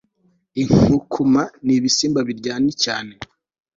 Inkukuma nibisimba biryani cyane